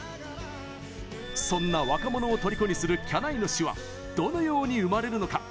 そんな若者をとりこにするきゃないの詞はどのように生まれるのか？